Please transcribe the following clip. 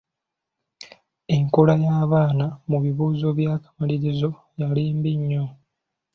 Enkola y'abaana mu bibuuzo by'akamalirizo yali mbi nnyo.